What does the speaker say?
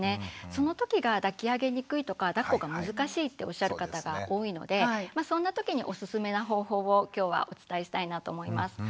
その時が抱き上げにくいとかだっこが難しいっておっしゃる方が多いのでそんな時におすすめな方法を今日はお伝えしたいなと思います。